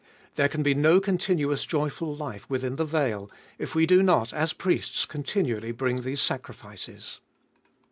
There can be no continuous joyful life within the veil, if we do not as priests continually bring these sacrifices.